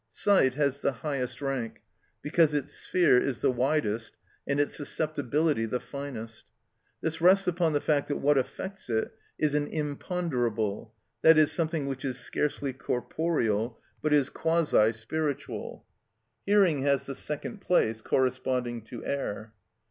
Sight has the highest rank, because its sphere is the widest and its susceptibility the finest. This rests upon the fact that what affects it is an imponderable, that is, something which is scarcely corporeal, but is quasi spiritual. Hearing has the second place, corresponding to air.